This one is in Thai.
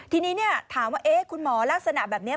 ทีนี้ถามว่าคุณหมอลักษณะแบบนี้